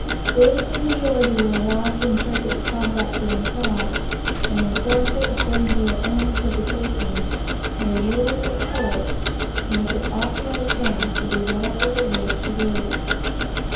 If the majority were allowed to interpret the compact for themselves, and enforce it according to their own interpretation, they would, of course, make it authorize them to do whatever they wish to do.